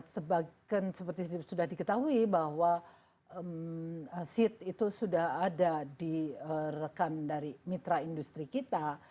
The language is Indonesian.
sebagian seperti sudah diketahui bahwa seat itu sudah ada di rekan dari mitra industri kita